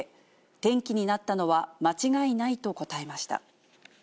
転機になったのは間違いないと答えました。